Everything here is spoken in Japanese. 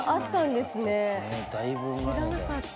知らなかった。